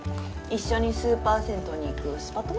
一緒にスーパー銭湯に行くスパ友？